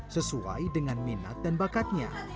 sesuai dengan minat dan bakatnya